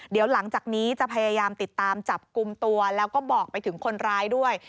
เดี๋ยวหลังจากนี้จะพยายามติดตามจับกลุ่มตัวแล้วก็บอกไปถึงคนร้ายด้วย